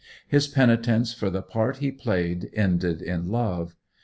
His penitence for the part he played ended in love.